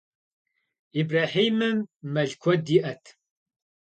Ибрэхьимым мэл куэд иӏэт.